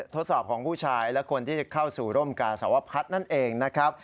ทดสอบของผู้ชายและคนที่เข้าสู่ร่มกาสวพัฒน์นั่นเองนะครับ